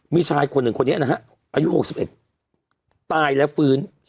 มีชายคนหนึ่งคนนี้นะฮะอายุ๖๑ตายแล้วฟื้น